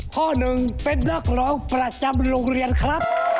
ข้อหนึ่งเป็นนักร้องประจำโรงเรียนครับ